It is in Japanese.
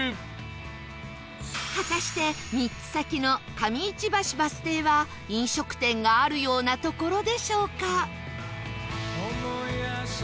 果たして３つ先の上市橋バス停は飲食店があるような所でしょうか？